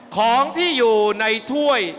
ของที่อยู่ในถ้วย